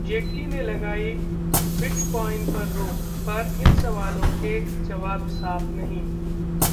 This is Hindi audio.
जेटली ने लगाई बिटक्वॉइन पर रोक, पर इन सवालों के जवाब साफ नहीं